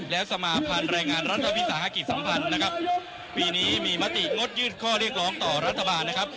แล้วสมาภัณฑ์แรงงานรัฐวิสาหกิจสัมพันธ์นะครับปีนี้มีมติงดยื่นข้อเรียกร้องต่อรัฐบาลนะครับ